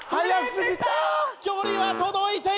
距離は届いていた！